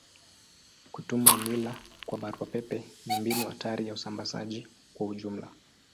Kutuma nywila kwa barua pepe ni mbinu hatari ya usambazaji kwa ujumla.